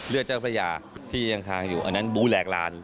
เจ้าพระยาที่ยังคางอยู่อันนั้นบู้แหลกลาน